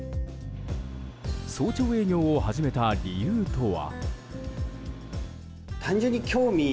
早朝営業を始めた理由とは？